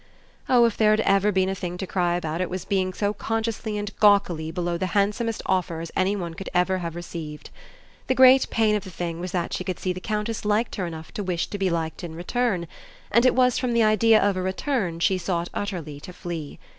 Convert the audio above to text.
Oh if there had ever been a thing to cry about it was being so consciously and gawkily below the handsomest offers any one could ever have received. The great pain of the thing was that she could see the Countess liked her enough to wish to be liked in return, and it was from the idea of a return she sought utterly to flee.